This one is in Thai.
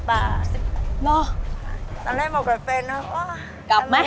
พอแจกแล้วเป็นไง